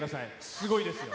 すごいですよ。